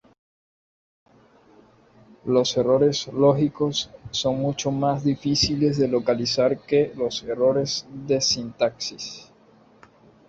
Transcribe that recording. Los errores lógicos son mucho más difíciles de localizar que los errores de sintaxis.